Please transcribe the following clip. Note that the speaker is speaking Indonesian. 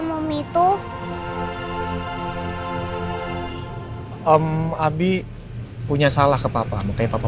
daten jugaasat berhenti bisa